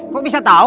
kok bisa tahu